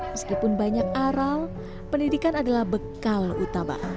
meskipun banyak aral pendidikan adalah bekal utama